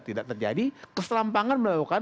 tidak terjadi keserampangan melakukan